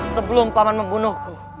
sebelum paman membunuhku